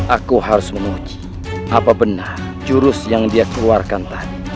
aku harus menguji apa benar jurus yang dia keluarkan tadi